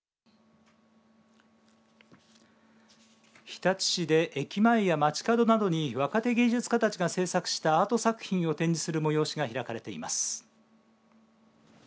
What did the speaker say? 日立市で、駅前や街角などに若手芸術家たちが制作したアート作品を展示する催しが開かれています。